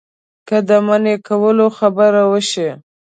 که د منع کولو خبره وشي.